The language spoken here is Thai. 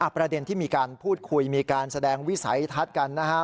ประเด็นที่มีการพูดคุยมีการแสดงวิสัยทัศน์กันนะฮะ